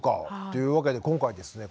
というわけで今回ですね